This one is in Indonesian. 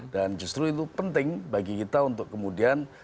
dan justru itu penting bagi kita untuk kemudian